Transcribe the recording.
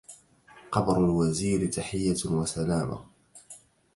قبر الوزير تحية وسلاما